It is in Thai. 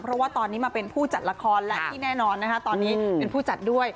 เพราะว่าตอนนี้มาเป็นผู้จัดละครและที่แน่นอนนะคะตอนนี้เป็นผู้จัดด้วย